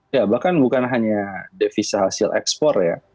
ya bahkan bukan hanya devisa hasil ekspor ya